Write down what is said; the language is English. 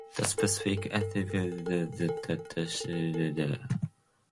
The specific epithet ("pinnatifida") refers to the shape of the leaves.